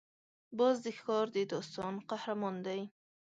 باز د ښکار د داستان قهرمان دی